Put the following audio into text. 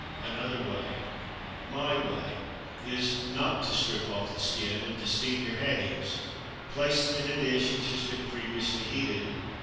Another way my way is not to strip off the skin and to steam your haddies. Place them in a dish which has been previously heated.